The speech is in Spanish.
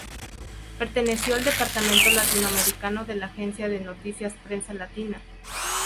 Perteneció al Departamento Latinoamericano de la Agencia de Noticias Prensa Latina.